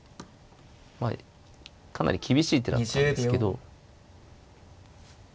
まあかなり厳しい手だったんですけど。